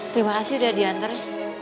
terima kasih udah diantar ya